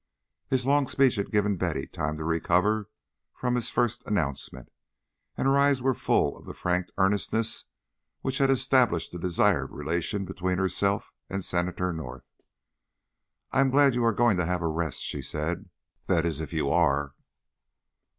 His long speech had given Betty time to recover from his first announcement, and her eyes were full of the frank earnestness which had established the desired relation between herself and Senator North. "I am glad you are going to have a rest," she said; "that is, if you are."